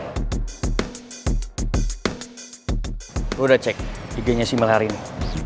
gue udah cek ig nya si mel hari ini